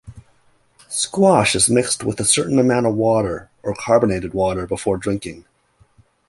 Squash is mixed with a certain amount of water or carbonated water before drinking.